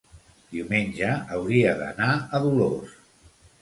Diumenge hauria d'anar a Dolors.